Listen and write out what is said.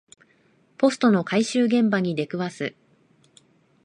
ポストの回収現場に出くわす